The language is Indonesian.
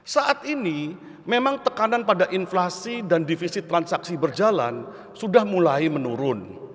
saat ini memang tekanan pada inflasi dan defisit transaksi berjalan sudah mulai menurun